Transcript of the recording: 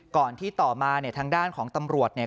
ก่อนที่ต่อมาเนี่ยทางด้านของตำรวจเนี่ย